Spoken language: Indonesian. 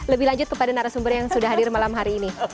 lebih lanjut kepada narasumber yang sudah hadir malam hari ini